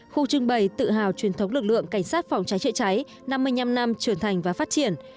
khu trưng bày tự hào truyền thống lực lượng cảnh sát phòng cháy chữa cháy năm mươi năm năm trưởng thành và phát triển